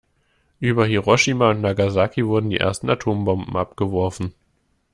Über Hiroshima und Nagasaki wurden die ersten Atombomben abgeworfen.